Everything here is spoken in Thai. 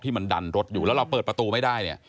มันดันรถอยู่แล้วเราเปิดประตูไม่ได้เนี่ย